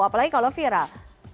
apalagi kalau viral